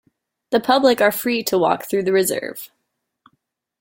The public are free to walk through the reserve.